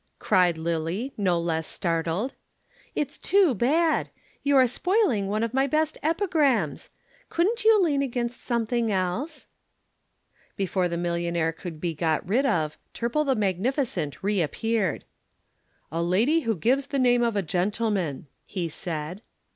cried Lillie, no less startled. "It's too bad. You are spoiling one of my best epigrams. Couldn't you lean against something else?" Before the millionaire could be got rid of, Turple the magnificent reappeared. "A lady who gives the name of a gentleman," he said.